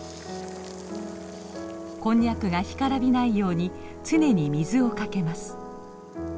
こんにゃくが干からびないように常に水をかけます。